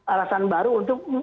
alasan baru untuk